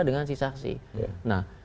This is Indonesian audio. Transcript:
dengan si saksi nah